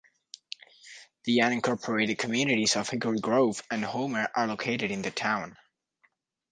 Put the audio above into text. The unincorporated communities of Hickory Grove and Homer are located in the town.